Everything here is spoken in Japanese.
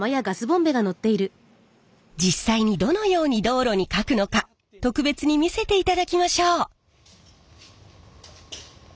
実際にどのように道路にかくのか特別に見せていただきましょう。